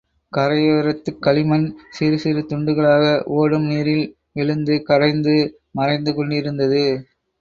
கரையோரத்துக் களிமண் சிறுசிறு துண்டுகளாக ஓடும் நீரில் விழுந்து கரைந்து மறைந்து கொண்டிருந்தது.